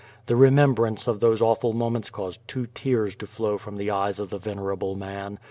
The remembrance of those awful moments caused two tears to flow from the eyes of the venerable man.